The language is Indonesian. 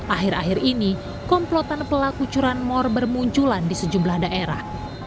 akhir akhir ini komplotan pelaku curanmor bermunculan di sejumlah daerah